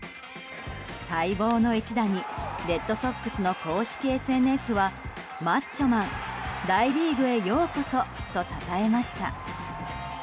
待望の一打にレッドソックスの公式ＳＮＳはマッチョマン大リーグへようこそとたたえました。